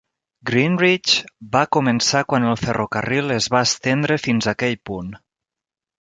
Greenridge va començar quan el ferrocarril es va estendre fins aquell punt.